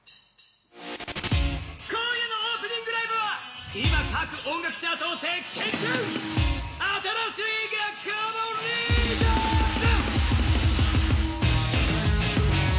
今夜のオープニングライブは今、各音楽チャートを席巻中新しい学校のリーダーズ！